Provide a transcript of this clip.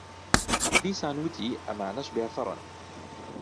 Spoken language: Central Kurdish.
دیسان وتی: ئەمانەش بێفەڕن.